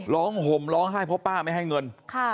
ห่มร้องไห้เพราะป้าไม่ให้เงิน